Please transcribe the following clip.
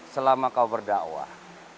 selama kau berda'wah